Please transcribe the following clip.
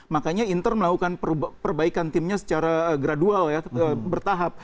makanya inter melakukan perbaikan timnya secara gradual ya bertahap